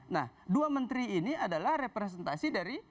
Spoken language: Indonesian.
nah dua menteri ini adalah representasi dari